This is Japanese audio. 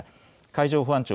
海上保安庁